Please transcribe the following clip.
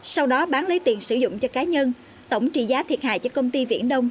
sau đó bán lấy tiền sử dụng cho cá nhân tổng trị giá thiệt hại cho công ty viễn đông